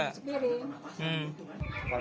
iya lagi mencuci piring